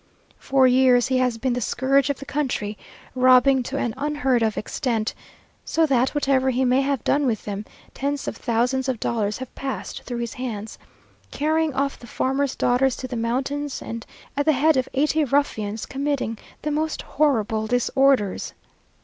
For years he has been the scourge of the country, robbing to an unheard of extent, (so that whatever he may have done with them, tens of thousands of dollars have passed through his hands,) carrying off the farmers' daughters to the mountains, and at the head of eighty ruffians, committing the most horrible disorders.